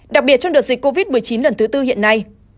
đặc biệt trong đợt dịch covid một mươi chín lần thứ tư hiện nay